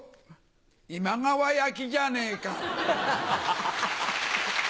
今川焼きじゃねえか。